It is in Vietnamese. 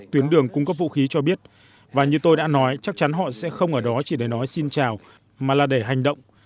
tuyến đường cung cấp vũ khí cho biết và như tôi đã nói chắc chắn họ sẽ không ở đó chỉ để nói xin chào mà là để hành động